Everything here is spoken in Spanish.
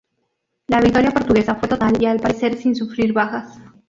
La victoria portuguesa fue total y al parecer sin sufrir bajas.